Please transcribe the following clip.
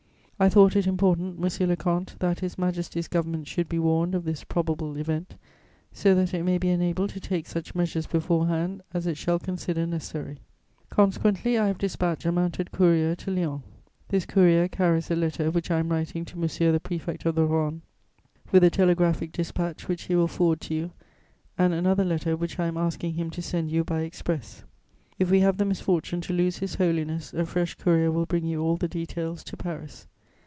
I thought it important, monsieur le comte, that His Majesty's Government should be warned of this probable event, so that it may be enabled to take such measures beforehand as it shall consider necessary. Consequently, I have dispatched a mounted courier to Lyons. This courier carries a letter which I am writing to Monsieur the Prefect of the Rhône, with a telegraphic dispatch which he will forward to you, and another letter which I am asking him to send you by express. If we have the misfortune to lose His Holiness, a fresh courier will bring you all the details to Paris.